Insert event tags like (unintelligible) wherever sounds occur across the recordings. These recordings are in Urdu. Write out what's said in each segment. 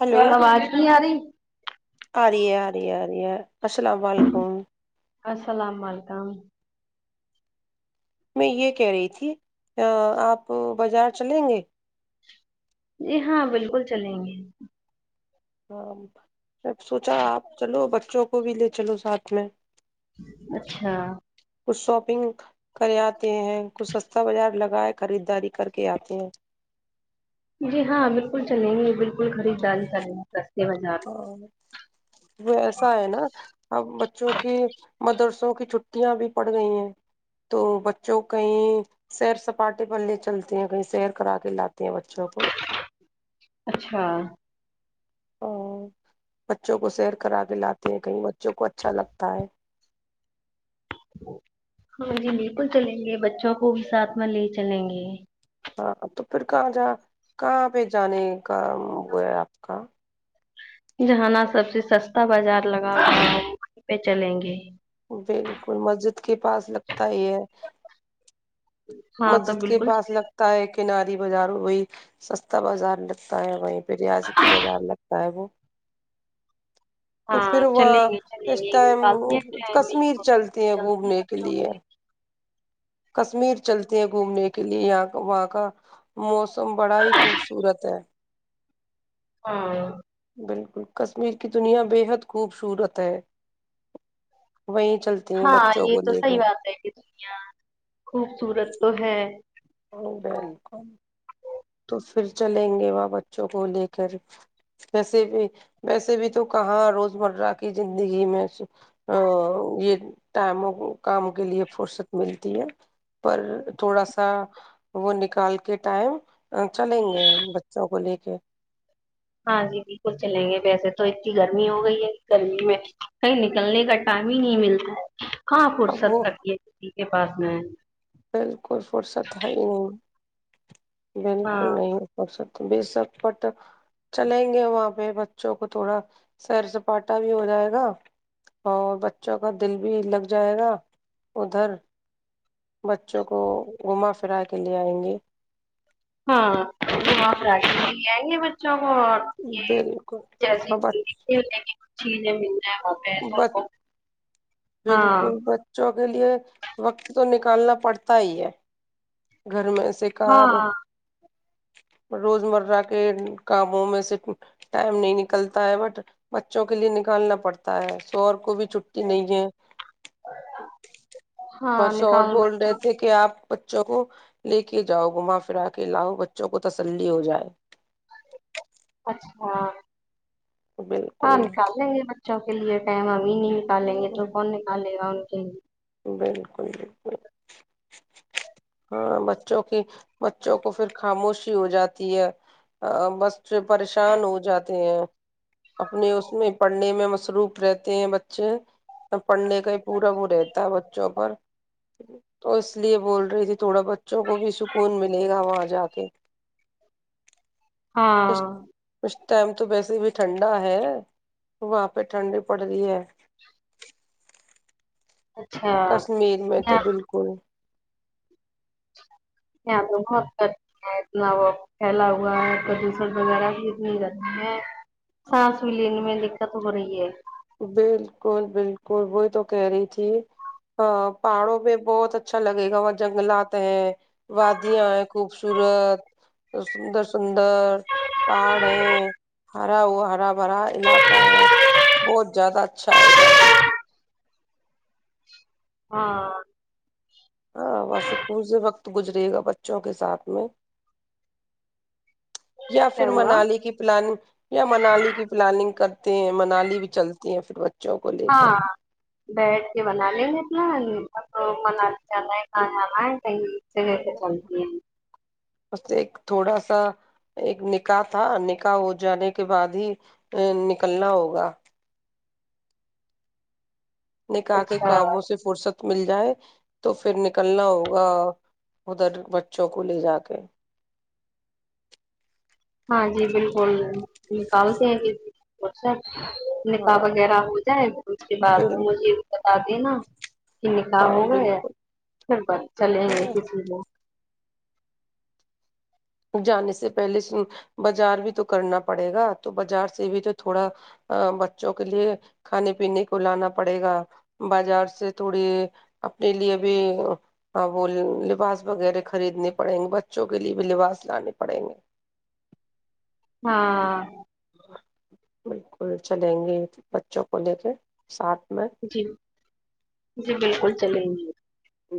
ہلو آواز کی آ رہی ہ رہ ہ رہے ا رہ السلام و علیکم السلام علیکم میں یہ کہہ رہی تھی آپ بازار چلیں گے جی ہاں بالکل چلیں گے ہاں میں سوچا آپ چلو بچوں کو بھی لے چلو ساتھ میں اچھا کچھ شاپنگ کرے آتے ہیں کچھ سستا بازار لگائے خریداری کر کے آتے ہیں جی ہاں بالکل چلیں گے بالکل خری ج چلیں گے بازار ہاں ایسا ہے نا اب بچوں کی مدرسوں کی چھٹیاں بھی پڑ گئی ہیں تو بچوں کہیں سیر سپاٹے پر لے چلتے ہیں کہیں سیر کرا کے لاتے یہ بچوں کو اچھا ا بچوں کو سیر کرا د لاتے ہیں کہیں بچوں کو اچھا لگتا ہے ہاں جی بالکل چلیں گے بچوں کو بھی ساتھ میں لے چلیں گے ہاں تو پھر کہاں ج کہاں پہ جانے کا ہو ہے آپ کا جہانا سب سے سستا بازار لگا کر پہ چلیں گے بالکل مسجد کے پاس لگتا ہی ہے ہاں تو مسجد کے بالکل پاس چلیں گے لگتا ہے کناری بازار وہی سستا بازار لگتا ہے وہی ھر ریاستتی بازار لگتا ہے وہ تو ہاں پھر وہ چلیں گے چلیں اس گے ٹائم نکالتے ہیں ٹائم کشمیر چلتی ہیں چلتے گھومنے کے بچوں کو لیئے لے (unintelligible) چلتے ہیں گھومنے کے لیے یہاں وہاں کا موسم تم بڑا ہی خوبصورت ہے ہاں بالکل کشمیر کی دنیا بے حد خوبصورت ہے وہیں چلتی ہیں ہاں بچوں یہ کو تو لے کے صحی بات ہے کہ یا (inaudible) خوبصورت تو ہے ا بالکل تو پھر چلیں گے وہاں بچوں کو لے کر ویسے بھی ویسے بھی تو کہاں روز مرہ کی زندگی میں یہ ٹائم کام کے لیے فرصت ملتی ہے پر تھوڑا سا وہ نکال کے ٹائم چلیں گے بچوں کو لے کے ہاں جی بالکل چلیں گے ویسے تو اتنی گرمی ہو گئی ہے گرمی میں کہیں نکلنے کا ٹائم ہی نہیں ملتا ہاں اب فرصد وہ تک ہے کے پاس میں ہے بالکل فرصت ہے ہی نہیں بالکل ہاں نہیں ہو ہو سک تو ب سب پٹ چلیں گے وہاں پہ بچوں کو تھوڑا سیر سپاٹا بھی ہو جائے گا اور بچوں کا دل بھی لگ جائے گا ادھر بچوں کو گھما پھرا کے لے آئیں گے ہاں آ ہے گے بچوں اور ج بالکل جٹھیک ہے م ہاں بالکل بچوں کے لیے وقت تو نکل کل پڑھتا ہی ہے گھر میں سے کار ہاں روزمرہ کے کاموں میں سے ٹائم نہیں نکلتا ہے بٹ بچوں کے لیے نکالنا پڑتا تا ہے سور کو بھی چھٹی نہیں ہے ہاں بس اور نکال بول رہے بچوں تھے کہ آپ بچوں کو لے کے جاؤ گھما پھرا کے لاؤ بچوں کو تسلی ہو جائے اچھا ہاں بالکل نکال لیں گے م بوں کے لیے م آ مین نہیں نکالیں گے تو کون نکالے گا جی (inaudible) بالکل بالکل ہاں بچوں کی بچوں کو پھر خاموشی ہو جاتی ہے بس جو پریشان ہو جاتے ہیں اپنے اس میں پڑھنے میں مصروف رہتے ہیں بچے پڑھنے کا ہی پورا وہ رہتا بچوں پر تو اس لیے بول رہی تھی تھوڑا بچوں کو بھی سکون ملے گا وہاں جا کے اس ہاں اس ٹائم تو ویسے بھی ٹھنڈا ہے وہاں پہ ٹھنڈی پڑ رہی ہے اچھا کشمیر میں تو بالکل یہ تو بہت کر اتنا وہ پھیلا ہوا ہے پردوشن وغیرہ بھی اتنی رہ ہے سانس بھی لییننے میں دقت خب رہی ہے بالکل بالکل وہی تو کہہ رہی تھی ہ پہاڑو بھی بہتچ اچھا لگے گا وہ جنگلات ہیں وادیاں ہیں خوبصورت سندر سندر پہاڑ ہے ہرا وہ ہرا بھرا علاقہ ہے بہت زیادہ اچھا ہے ادھر (unintelligible) ہاں وہ سکول سے وقت گزرے گا بچوں کے ساتھ میں یا پھر کیا ہوا منالی کی پلاننگ یا منالی کی پلاننگ کر ہیں منالی بھی چلتی ہیں پھر ب چو کو لے کے ہاں بیٹھ کے بنا لیں گے اتنا بنا جانا ہے کہاں جانا ہے جگہ سے چلتی ہیں اس سے ایک تھوڑا سا ایک نکاح تھا نکاح ہو جانے کے بعد ہی نکلنا ہوگا نکا کے اچھا کاموں سے فرصت مل جائے تو پھر نکلنا ہوگا ادھر بچوں کو لے جا کے ہاں جی بالکل نکالتے ہیں کہا نکاح ہاں وغیرہ ہو جائے اس کے بعد بال مجھے بتا دینا کہ نکاح ہاں ہو گئے بالکل پھر چلیں گے ہاں کسی میں جانے سے پہلے بازار بھی تو کرنا پڑے گا تو بازار سے بھی تو تھوڑا بچوں کے لیے کھانے پینے کو لانا پڑے گا بازار سے تھوڑی اپنے لیے بھی وہ لباس وغیرہ خریدنے پڑیں گے بچوں کے لیے بھی لباس تانان پڑے گ ہاں (unintelligible) بالکل چلیں گے بچوں کو لے کے (unintelligible) میں جی جی بالکل چلیں گے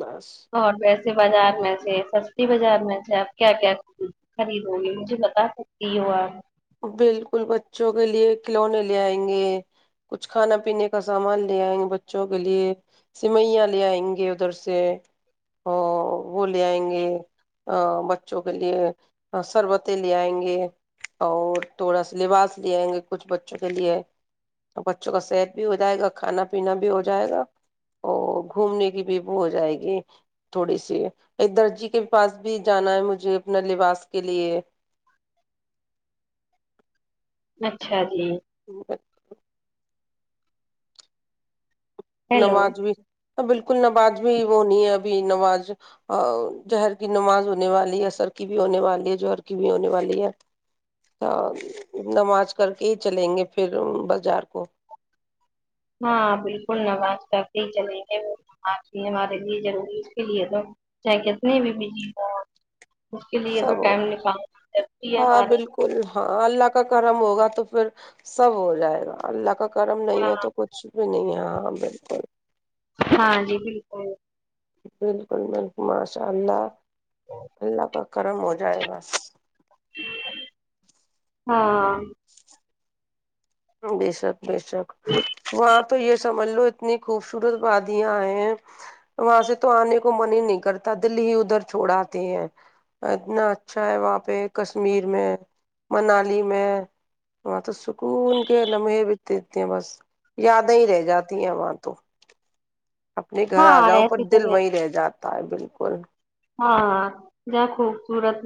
بس اور ویسے (unintelligible) بازار میں سے سستی بازار میں سے آپ کیا کیا خریدو گی مجھے بتا سکتی ہو آپ (unintelligible) بالکل بچوں کے لیے کھلونے لے آئیں گے کچھ کھانا پینے کا سامان لے آئیں گے بچوں کے لیے سوئیاں لے آئیں گے ادھر سے اور وہ لے آئیں گے بچوں کے لیے سربتیں لے آئیں گے (unintelligible) اور تھوڑا سا لباس لے آئیں گے کچھ بچوں کے لیے بچوں کا صحت بھی ہو جائے گا کھانا پینا بھی ہو جائے گا اور گھومنے کی بھی ہو جائے گی تھوڑی سی ایک درجی کے پاس بھی جانا ہے مجھے اپنا لباس کے لیے (unintelligible) اچھا جی (inaudible) ا (inaudible) ہیلو نماز بھی (unintelligible) بالکل نماز بھی وہ نہیں ہے ابھی نماز جوہر کی نماز ہونے والی ہے سر کی بھی ہونے والی ہے جوہر کی بھی ہونے والی ہے نماز کر کے ہی چلیں گے پھر بازار کو (unintelligible) ہاں بالکل نماز کرتے ہی چلیں گے وہ نماز پنے والارے لی ضروری اس کے لیے تو کیا کہ (unintelligible) ات نے بھی بھیج (unintelligible) سب ہوگا ضروری ہے ہاں ہمارے بالکل ہاں اللہ کا کرم ہوگا (unintelligible) تو پھر سب ہو جائے گا اللہ کا (unintelligible) گرم نہیں ہے ہاں تو کچھ بھی نہیں ہے (unintelligible) ہاں بالکل (unintelligible) ہاں جی بالکل (unintelligible) بالکل ب ماشاء اللہ اللہپ گرم ہو جائے بس ہاں بی سب بے شک وہاں تو یہ سب ملو اتنی خوبصورت وادیاں ہیں وہاں سے تو آنے کو من ہی نہیں کرتا دللی ہی ادھر چھوڑ آے ہیں اتنا اچھا ہے وہاں پہ کشمیر میں منالی میں وہاں تو سکون کہ لمحے بھیتےتے ہیں بس یادیں ہی رہ جاتی ہیں وہاں تو اپنے گھر آ ہاں جاؤ پر ایسی دل جگہ وہیں رہ جاتا تا ہے بالکل ہاں ج خوبصورت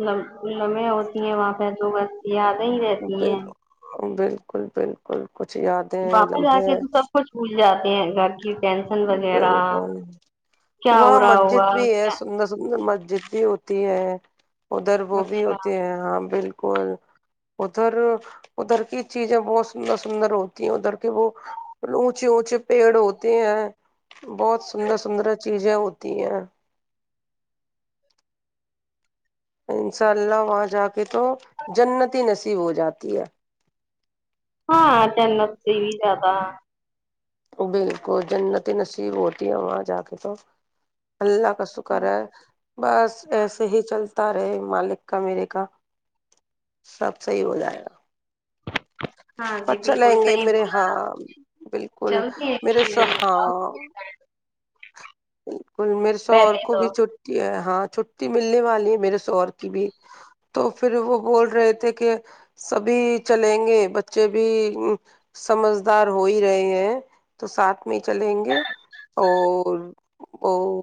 لمحے ہوتی ہیں وہاں پہ دو ہیا صی رہتی ہیں کل پین ک کچھ یادیں واپس آ لمحے کے تو سب کچھ بھول جاتے ہیں گھر کی ٹینشن وغیرہ کیا وہاں ہو رہا ہوگا مسجد بھی ہے کیا سندر سندر مسجد بھی تی ہے ادھر وہ بھی اچھا ہوتے ہیں ہاں بالکل کوال (unintelligible) ادھر ادھر کی چیزیں بہت سندر سندر ہوتی ہیں ادھر کے وہ اونچے اونچے پیڑ ہوتے ہیں بہت سندر سندر چیزیں ہوتی ہیں انشاء اللہ وہاں جا کے تو جنتی ہی نصیب ہو جاتی ہے ہاں جنت سے بھی زیادہ بالکل جنت نصیب ہوتی ہے وہاں جا کے تو اللہ ک سو کرار بس ایسے ہی چلتا رہے مالک کا میرے کا سب صحیح ہو جائے گا ہاں اور جی بالکل چلیں گے صحیح میرے بولا ہاں بالکل چلتے میرے ہیں سو ہاں ایک بالکل میرے سو اور پہلے کو تو بھی چھٹی ہے ہاں چھٹی ملنے والی ہے میرے سوور کی بھی تو پھر وہ بول رہے تھے کہ سبھی چلیں گے بچے بھی سمجھدار ہو ہی رہے ہیں تو ساتھ میں ہی چلیں گے اور وہ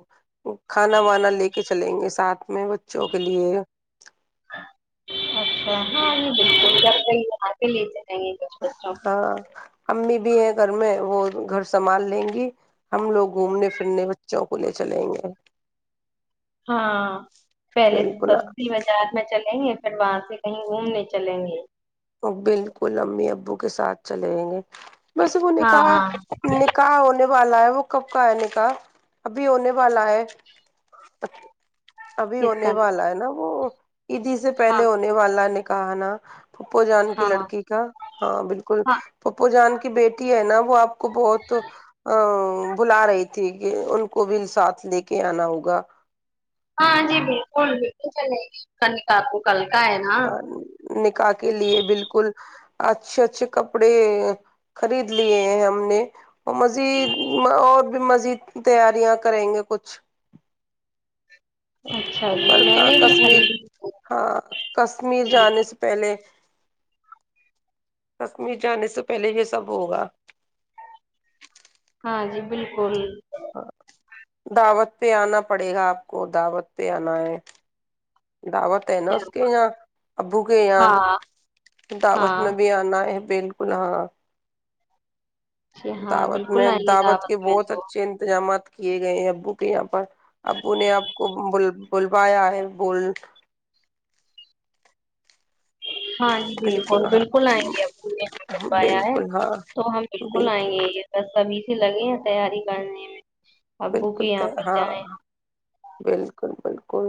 کھانا وانا لے کے چلیں گے ساتھ میں بچوں کے لیے اچھا ہاں یہ بالکل جبات لیے ہاں امی بھی ہے (unintelligible) گھر میں وہ گھر سنبھال لیں گی ہم لوگ گھومنے پھرنے بچوں کو لے چلیں گے ہاں پہلے بالکل سستی بازار میں چلیں گ پھر وہاں سے کہیں گھومنے چلیں گے وہ بالکل امی ابو کے ساتھ چلے آئیں گے بس ان نے ہاں کہا ہاں نے کہا ان والا ہے وہ کب کا ہے ن کا ابھی ہونے والا ہے ابھی کس کا ہونے والا ہے نا وہ ایدی سے پہلے ہاں ہونے والا نے کہانا پپو جان کی ہاں لڑکی کا ہاں بالکل ہاں پپو جان کی بیٹی ہے نا وہ آپ کو بہت ا بلا رہی تھی کہ ان کو بھی ساتھ لے کے آنا ہوگا ہاں جی بالکل بالکل چلے کن کاپ کو کل کے ہاں نکاح کے لیے بالکل اچھے اچھے کپڑے خرید لیے ہیں ہم نے اور مزید اور بھی مزید تیاریاں کریں گے کچھ اچھا جی پر میں نے بھی کشمیر خرید ہاں کشمیر جانے سے پہلے کشمیر جانے سے پہلے یہ سب ہوگا ہاں جی بالکل ہاں دعوت پہ آنا پڑے گا آپ کو دعوت پہ آنا ہے دعوت ہے نا کیا اس کے اں ابو کے یہاں ہاں دعوت ہاں میں بھی آنا ہے بالکل ہاں جی ہاں دعوت بالکل میں آئیں گے دعوت کے میں بہت تو اچھے انتظامات کیے گئے ہیں ابو کے یہاں پر ابو نے آپ کو ب بلوایا ہے بول ہاں جی بالکل بالکل آئیں گے ابو نے ہم کو پایا ہے بالکل ہاں تو ہم بالکل آئیں گے یہ پ سبھی سے لگے ہیں تیاری کرنے میں ابو بالکل کے یہاں پہ ہاں جائیں بالکل بالکل کو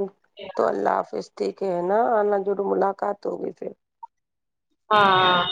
تو اللہ حافظ ٹھیک ہے نا آنا جوڑو ملاقات ہوگی پھر ہاں